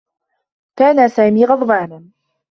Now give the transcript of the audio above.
كان سامي غضبانا.